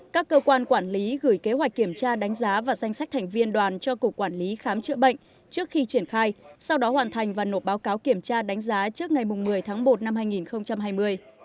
các cơ quan quản lý gửi kế hoạch kiểm tra đánh giá và danh sách thành viên đoàn cho cục quản lý khám chữa bệnh trước khi triển khai sau đó hoàn thành và nộp báo cáo kiểm tra đánh giá trước ngày một mươi tháng một năm hai nghìn hai mươi